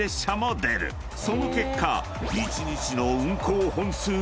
［その結果］